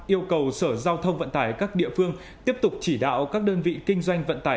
yêu cầu sở giao thông vận tải các địa phương tiếp tục chỉ đạo các đơn vị kinh doanh vận tải